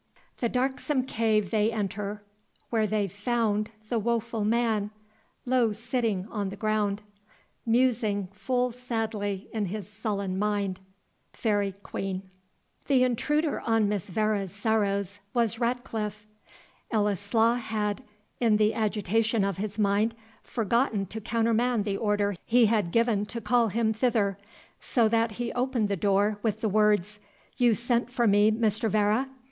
The darksome cave they enter, where they found The woful man, low sitting on the ground, Musing full sadly in his sullen mind. FAERY QUEEN. The intruder on Miss Vere's sorrows was Ratcliffe. Ellieslaw had, in the agitation of his mind, forgotten to countermand the order he had given to call him thither, so that he opened the door with the words, "You sent for me, Mr. Vere."